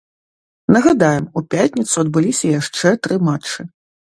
Нагадаем, у пятніцу адбыліся яшчэ тры матчы.